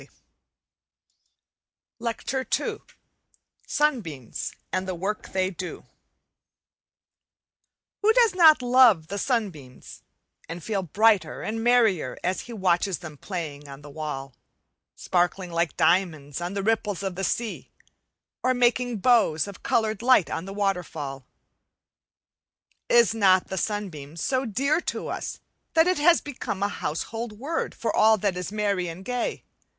Week 3 Lecture II Sunbeams and How They Work Who does not love the sunbeams, and feel brighter and merrier as he watches them playing on the wall, sparkling like diamonds on the ripples of the sea, or making bows of coloured light on the waterfall? Is not the sunbeam so dear to us that it has become a household word for all that is merry and gay?